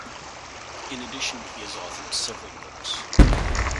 In addition, he has authored several books.